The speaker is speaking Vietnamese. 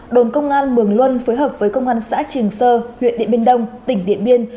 đồn công an mường luân phối hợp với công an xã trường sơ huyện điện biên đông tỉnh điện biên